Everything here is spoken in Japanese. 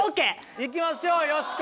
行きましょうよしこ。